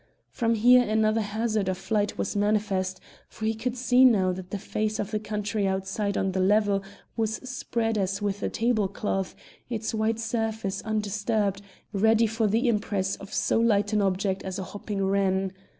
From here another hazard of flight was manifest, for he could see now that the face of the country outside on the level was spread as with a tablecloth, its white surface undisturbed, ready for the impress of so light an object as a hopping wren.